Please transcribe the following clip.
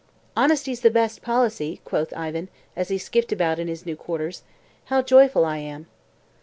"Honesty's the best policy!" quoth Ivan, as he skipped about in his new quarters. "How joyful I am!"